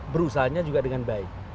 berusaha juga dengan baik